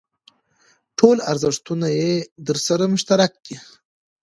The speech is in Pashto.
ټول ارزښتونه یې درسره مشترک دي.